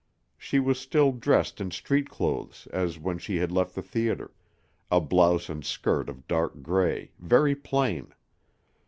She was still dressed in street clothes as when she had left the theater, a blouse and skirt of dark gray, very plain.